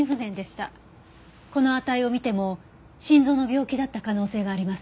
この値を見ても心臓の病気だった可能性があります。